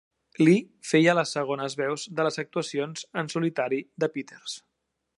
Lee feia les segones veus de les actuacions en solitari de Peters.